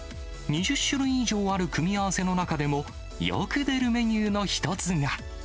２０種類以上ある組み合わせの中でも、よく出るメニューの一つが。